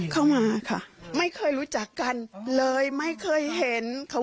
เข้ามาค่ะไม่เคยรู้จักกันเลยไม่เคยเห็นเขา